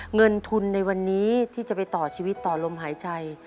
เงินทุนในวันนี้ที่จะไปต่อชีวิตต่อลมหายใจ